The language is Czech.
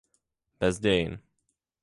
Bez dějin.